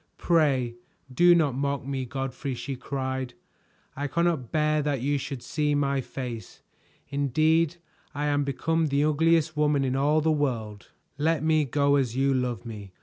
"Pray do not mock me, Godfrey," she cried, "I cannot bear that you should see my face. Indeed I am become the ugliest woman in all the world. Let me go, as you love me.